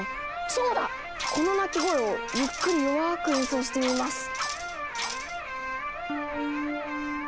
この鳴き声をゆっくり弱く演奏してみます！